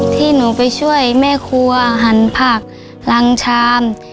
ที่หนูไปช่วยแม่ครัวหันผักล้างชาม